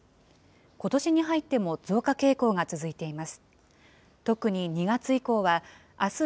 ことしに入っても増加傾向が続いています。